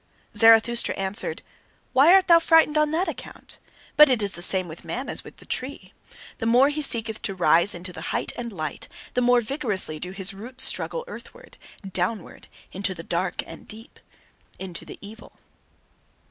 Zarathustra answered: "Why art thou frightened on that account? But it is the same with man as with the tree. The more he seeketh to rise into the height and light, the more vigorously do his roots struggle earthward, downward, into the dark and deep into the evil."